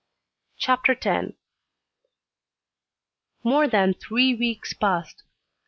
CHAPTER X More than three weeks passed.